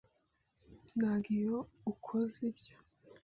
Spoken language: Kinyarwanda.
Nanga iyo ukoze ibyo